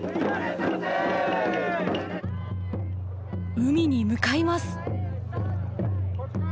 海に向かいます。